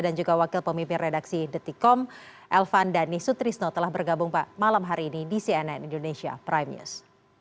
dan juga wakil pemimpin redaksi dtkom elvan dhani sutrisno telah bergabung pak malam hari ini di cnn indonesia prime news